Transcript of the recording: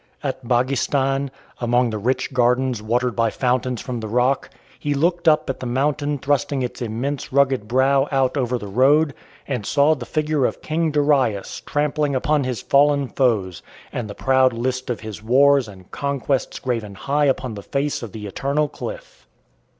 At Baghistan, among the rich gardens watered by fountains from the rock, he looked up at the mountain thrusting its immense rugged brow out over the road, and saw the figure of King Darius trampling upon his fallen foes, and the proud list of his wars and conquests graven high upon the face of the eternal cliff.